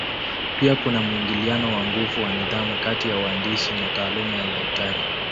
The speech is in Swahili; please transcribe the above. Pia kuna mwingiliano wa nguvu wa nidhamu kati ya uhandisi na taaluma ya udaktari.